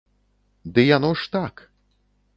Ды яно ж так.